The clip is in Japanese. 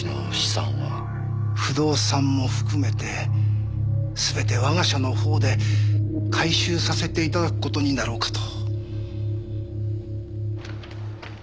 不動産も含めて全て我が社の方で回収させて頂く事になろうかと。